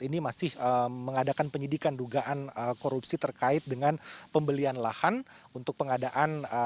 ini masih mengadakan penyidikan dugaan korupsi terkait dengan pembelian lahan untuk pengadaan